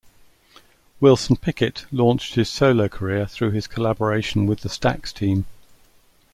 Wilson Pickett launched his solo career through his collaboration with the Stax team.